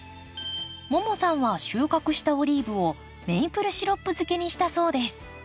ももさんは収穫したオリーブをメイプルシロップ漬けにしたそうです